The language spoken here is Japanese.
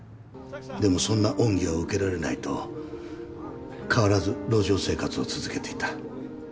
でもそんな恩義は受けられないと変わらず路上生活を続けていた。